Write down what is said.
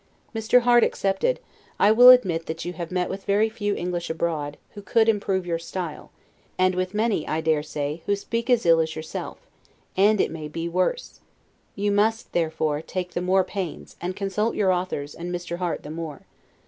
Mr. Harte excepted, I will admit that you have met with very few English abroad, who could improve your style; and with many, I dare say, who speak as ill as yourself, and, it may be, worse; you must, therefore, take the more pains, and consult your authors and Mr. Harte the more.